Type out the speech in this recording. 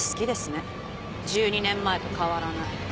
１２年前と変わらない。